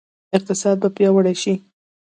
اقتصاد به پیاوړی شي؟